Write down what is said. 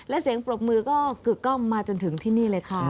และเสียงปรบมือก็กึกกล้องมาจนถึงที่นี่เลยค่ะ